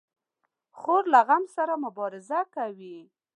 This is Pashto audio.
خور له غم سره مبارزه کوي.